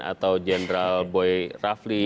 atau jenderal boy rafli